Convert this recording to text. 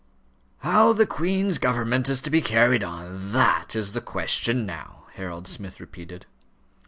"How the Queen's government is to be carried on, that is the question now," Harold Smith repeated.